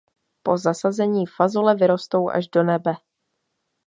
Po zasazení fazole vyrostou až do nebe.